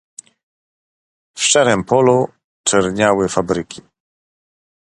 "W szczerem polu czerwieniały fabryki."